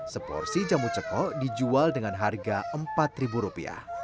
seporsi jamu cokok dijual dengan harga rp empat